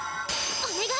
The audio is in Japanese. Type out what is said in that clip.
お願い！